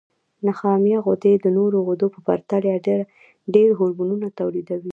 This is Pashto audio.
نخامیه غده د نورو غدو په پرتله ډېر هورمونونه تولیدوي.